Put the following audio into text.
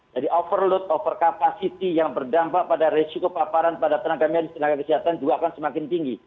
jadi overload over capacity yang berdampak pada risiko paparan pada tenaga medis tenaga kesehatan juga akan semakin tinggi